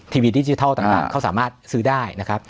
ทีวีดิจิทัลต่างเขาสามารถซื้อได้นะครับ